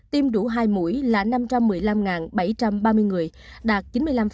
tiêm đủ hai mũi là năm trăm một mươi năm bảy trăm ba mươi người đạt chín mươi năm